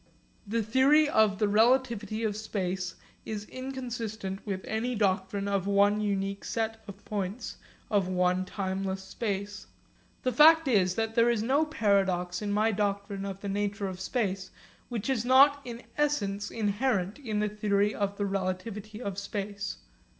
The theory of the relativity of space is inconsistent with any doctrine of one unique set of points of one timeless space. The fact is that there is no paradox in my doctrine of the nature of space which is not in essence inherent in the theory of the relativity of space.